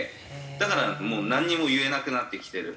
だからもうなんにも言えなくなってきてる。